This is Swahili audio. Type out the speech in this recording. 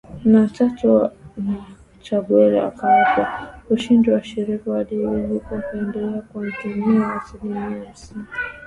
na tatu na Chakwera akatwaa ushindi wa kishindo akiibuka kidedea kwa kunyakua asilimia hamsini